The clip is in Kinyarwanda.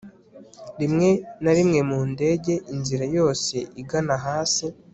rimwe na rimwe mu ndege, inzira yose igana hasi